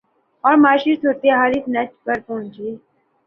اور معاشی صورت حال اس نہج پر پہنچ